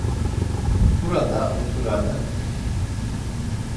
Burada oturanı!